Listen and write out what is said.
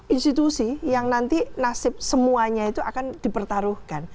institusi yang nanti nasib semuanya itu akan dipertaruhkan